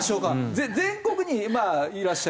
全国にいらっしゃると。